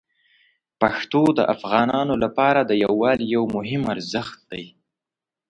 پښتو د افغانانو لپاره د یووالي یو مهم ارزښت دی.